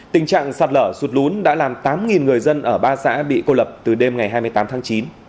tình trạng sạt lở sụt lún đã làm tám người dân ở ba xã bị cô lập từ đêm ngày hai mươi tám tháng chín